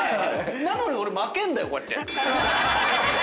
なのに俺負けんだよこうやって。